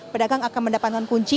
pedagang akan mendapatkan kunci